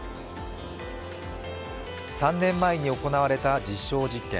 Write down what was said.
３年前に行われた実証実験。